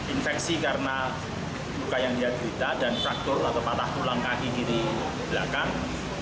infeksi karena luka yang dia cerita dan faktur atau patah tulang kaki kiri belakang